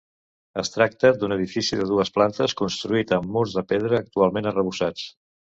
Es tracta d'un edifici de dues plantes construït amb murs de pedra, actualment arrebossats.